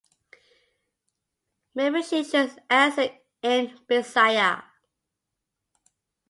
Maybe she should answer in Bisaya.